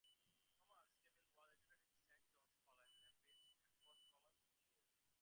Thomas Sackville was educated at Saint John's College, Cambridge and Hertford College, Oxford.